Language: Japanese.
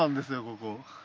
ここ。